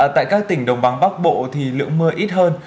tại các tỉnh đồng bằng bắc bộ thì lượng mưa ít hơn